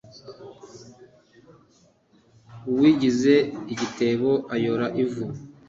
Uwigize igitebo ayora ivu.